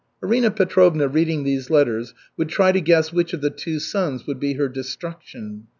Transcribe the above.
Arina Petrovna reading these letters would try to guess which of the two sons would be her destruction.